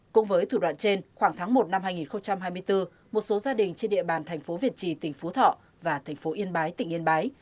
cũng với thủ đoạn trên khoảng tháng một năm hai nghìn hai mươi bốn một số gia đình trên địa bàn thành phố việt trì tỉnh phú thọ và thành phố yên bái tỉnh yên bái